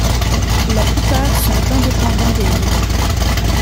La plupart sont indépendants des livres.